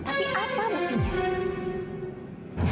tapi apa buktinya